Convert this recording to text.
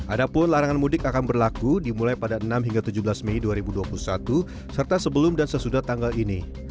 adapun larangan mudik akan berlaku dimulai pada enam hingga tujuh belas mei dua ribu dua puluh satu serta sebelum dan sesudah tanggal ini